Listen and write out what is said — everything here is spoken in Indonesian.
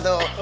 ya sudah tuh